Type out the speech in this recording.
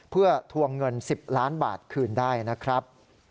เพื่อทวงเงิน๑๐ล้านบาทคืนได้นะครับ